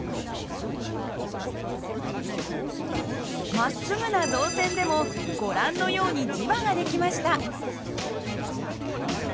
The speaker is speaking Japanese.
まっすぐな導線でもご覧のように磁場が出来ました。